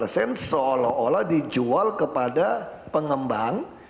sens seolah olah dijual kepada pengembang